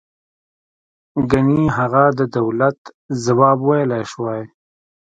گني هغه د دولت ځواب ویلای شوی.